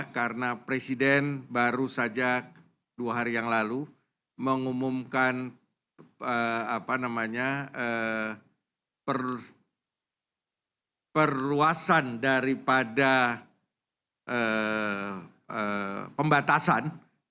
karena presiden baru saja dua hari yang lalu mengumumkan perluasan daripada pembatasan